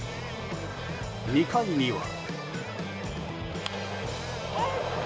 ２回には。